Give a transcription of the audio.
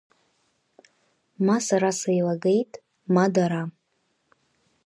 Ма сара сеилагеит, ма дара!